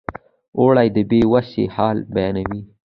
اوړه د بې وسۍ حال بیانوي